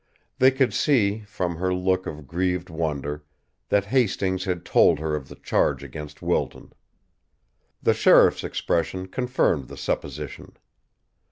They could see, from her look of grieved wonder, that Hastings had told her of the charge against Wilton. The sheriff's expression confirmed the supposition.